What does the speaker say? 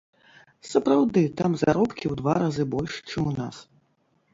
Сапраўды, там заробкі ў два разы больш, чым у нас.